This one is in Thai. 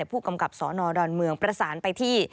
ผู้กำกับสนดอนเมืองประสานไปที่